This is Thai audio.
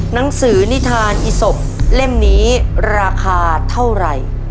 หนังสือนิทานอีศพเล่มนี้ราคาเท่าไหร่